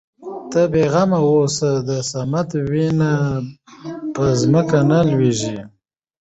ته بې غمه اوسه د صمد وينه په ځمکه نه لوېږي.